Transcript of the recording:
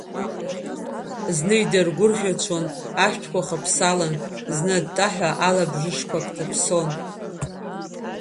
Зны идыргәырӷьацәон ашәҭқәа хыԥсалан, зны аҭҭаҳәа лабжышқәак ҭаԥсон.